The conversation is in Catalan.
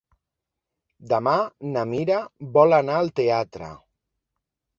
Demà na Mira vol anar al teatre.